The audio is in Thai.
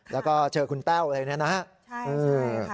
แล้วก็เจอคุณแป้วอะไรอย่างนี้นะ